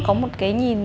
có một cái nhìn